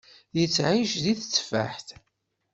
Yettεic deg teteffaḥt.